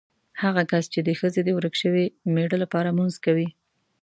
هغه کس چې د ښځې د ورک شوي مېړه لپاره لمونځ کوي.